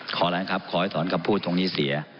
อะไรครับขอให้ถอนคำพูดตรงนี้เสีย